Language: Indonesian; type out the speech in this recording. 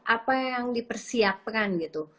apa yang dipersiapkan gitu